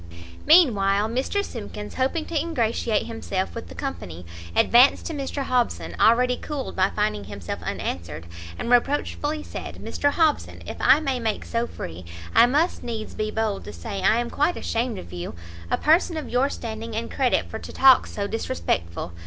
Meanwhile Mr Simkins, hoping to ingratiate himself with the company, advanced to Mr Hobson, already cooled by finding himself unanswered, and reproachfully said "Mr Hobson, if I may make so free, I must needs be bold to say I am quite ashamed of you! a person of your standing and credit for to talk so disrespectful!